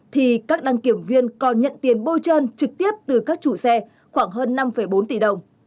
thì các đăng kiểm viên còn nhận tiền bôi trơn trực tiếp từ các chủ xe khoảng hơn năm bốn tỷ đồng